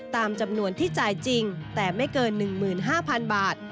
ตามจำนวนที่จ่ายจริงแต่ไม่เกิน๑๕๐๐๐บาท